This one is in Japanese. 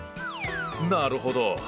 なるほど。